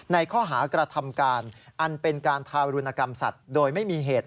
ในข้อหากระทำการอันเป็นการทารุณกรรมสัตว์โดยไม่มีเหตุ